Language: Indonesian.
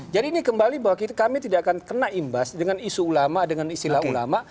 jadi ini kembali bahwa kami tidak akan kena imbas dengan isu ulama dengan istilah ulama